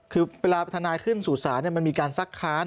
คือเวลาทนายขึ้นสู่ศาลมันมีการซักค้าน